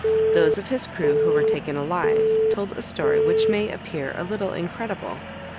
Those of his crew who were taken alive, told a story which may appear a little incredible.